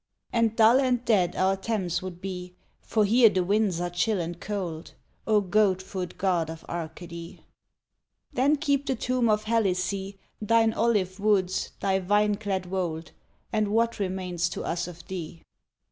And dull and dead our Thames would be, For here the winds are chill and cold, O goat loot God of Arcady! Then keep the tomb of Helice, Thine olive woods, thy vine clad wold, And what remains to us of thee?